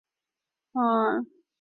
母包氏。